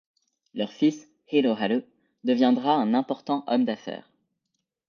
Leur fils, Hiroharu, deviendra un important homme d'affaires.